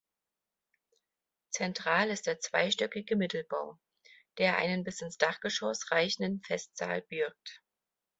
Zentral ist der zweistöckige Mittelbau, der einen bis ins Dachgeschoss reichenden Festsaal birgt.